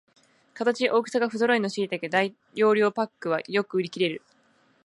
形、大きさがふぞろいのしいたけ大容量パックはよく売りきれる